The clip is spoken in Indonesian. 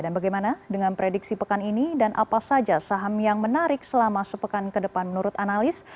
dan bagaimana dengan prediksi pekan ini dan apa saja saham yang menarik selama sepekan ke depan menurut analis